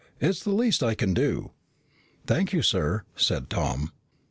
"It's the least I can do." "Thank you, sir," said Tom.